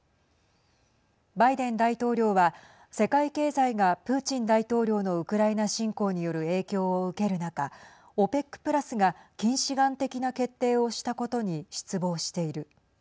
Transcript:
バイデン大統領は世界経済がプーチン大統領のウクライナ侵攻による影響を受ける中ＯＰＥＣプラスが近視眼的な決定をしたことに失望している。